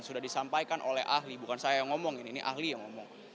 sudah disampaikan oleh ahli bukan saya yang ngomong ini ini ahli yang ngomong